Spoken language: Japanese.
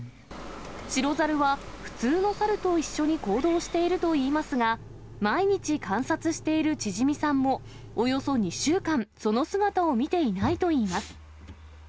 白猿は普通のサルと一緒に行動しているといいますが、毎日観察している縮さんも、およそ２週間、その姿を見ていないといいます。